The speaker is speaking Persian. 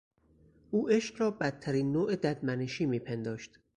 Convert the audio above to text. او عشق را بدترین نوع ددمنشی میپنداشت.